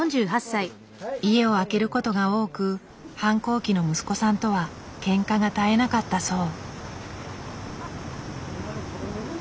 家を空けることが多く反抗期の息子さんとはケンカが絶えなかったそう。